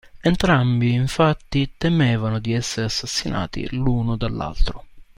Entrambi, infatti, temevano di essere assassinati l'uno dall'altro.